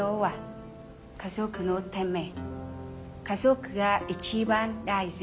家族ガ一番大事。